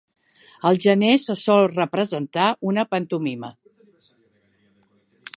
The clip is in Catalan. Al gener se sol representar una pantomima.